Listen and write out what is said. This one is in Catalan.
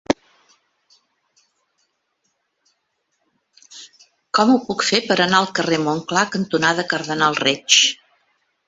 Com ho puc fer per anar al carrer Montclar cantonada Cardenal Reig?